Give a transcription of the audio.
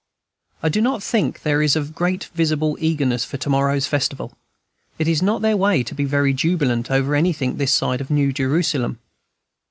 I do not think there is a great visible eagerness for tomorrow's festival: it is not their way to be very jubilant over anything this side of the New Jerusalem.